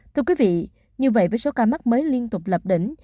thưa quý vị như vậy với số ca mắc mới liên tục lập đỉnh